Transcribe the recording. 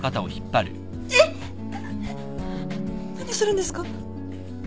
何するんですか？